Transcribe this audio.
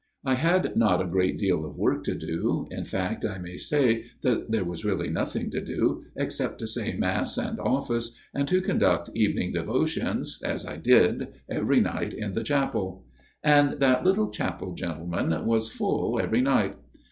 I had not a great deal of work to do in fact I may say that there was really nothing to do except to say mass and office, and to conduct evening devotions, as I did, every night in the chapel ; and that little chapel, gentlemen, was full every night.